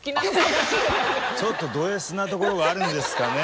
ちょっとドＳなところがあるんですかね。